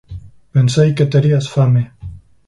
Pensei que terías fame.